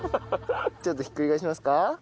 ちょっとひっくり返しますか？